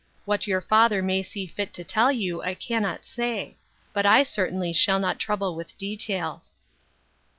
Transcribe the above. " What your father may see fit to tell you, I cannot say ; but I cer tainly shall not trouble with details."